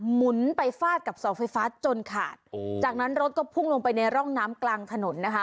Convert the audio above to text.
หมุนไปฟาดกับเสาไฟฟ้าจนขาดโอ้จากนั้นรถก็พุ่งลงไปในร่องน้ำกลางถนนนะคะ